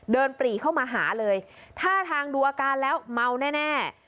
ปรีเข้ามาหาเลยท่าทางดูอาการแล้วเมาแน่